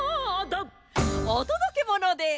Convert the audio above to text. おとどけものです。